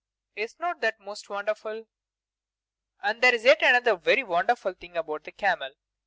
Is not that most wonderful? And there is yet another very wonderful thing about the camel.